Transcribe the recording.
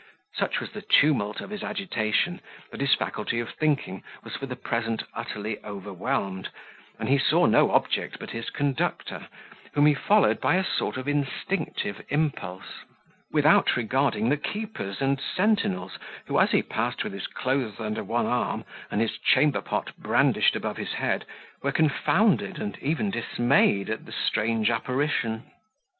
Such was the tumult of his agitation, that his faculty of thinking was for the present utterly overwhelmed, and he saw no object but his conductor, whom he followed by a sort of instinctive impulse, without regarding the keepers and sentinels, who, as he passed with his clothes under one arm, and his chamber pot brandished above his head, were confounded, and even dismayed, at the strange apparition.